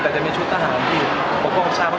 แต่จะมีชุดทหารที่ปกป้องชานะครับ